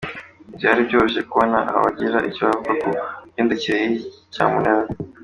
Ntibyari byoroshye kubona abagira icyo bavuga ku migendekere y’iyi cyamunara.